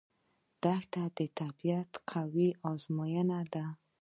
دښته د طبیعت قوي ازموینه ده.